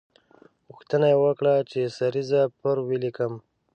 غوښتنه یې وکړه چې سریزه پر ولیکم.